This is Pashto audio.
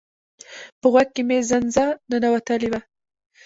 په غوږ کی می زنځه ننوتلی وه